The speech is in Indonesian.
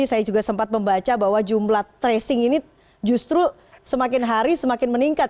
saya juga sempat membaca bahwa jumlah tracing ini justru semakin hari semakin meningkat